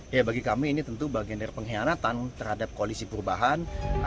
ya bagi kami ini tentu bagian dari pengkhianatan terhadap koalisi perubahan